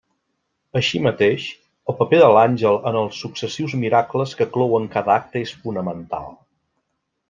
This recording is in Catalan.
Així mateix, el paper de l'àngel en els successius miracles que clouen cada acte és fonamental.